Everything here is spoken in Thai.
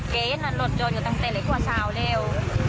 แกเย็นอันหลดโจทย์อยู่ตั้งแต่หลายครัวชาวแล้ว